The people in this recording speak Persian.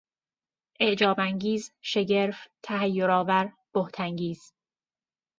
اعجابانگیز، شگرف، تحیرآور، بهتانگیز